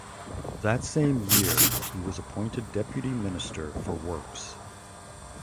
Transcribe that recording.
That same year he was appointed deputy minister for Works.